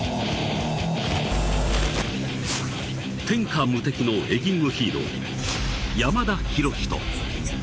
天下無敵のエギングヒーロー山田ヒロヒト